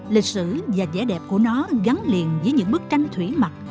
lịch sử và vẻ đẹp của nó gắn liền với những bức tranh thủy mặt